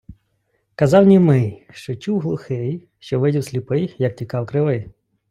Казав німий, що чув глухий, що видів сліпий, як тікав кривий.